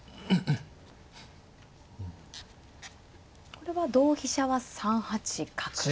これは同飛車は３八角ですか。